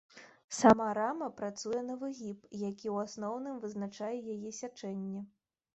Сама рама працуе на выгіб, які ў асноўным вызначае яе сячэнне.